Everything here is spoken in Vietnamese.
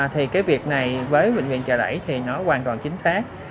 thì cái việc này với bệnh viện chợ đẩy thì nó hoàn toàn chính xác